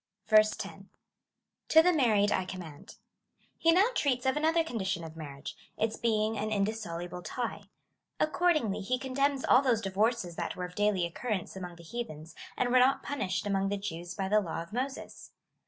10. To the married I command. He now treats of an otlier condition of marriage — its being an indissoluble tie. Accordingly, lie condemns all those divorces tliat were of daily occurrence among the heathens, and were not punished among the Jews by the law of Moses.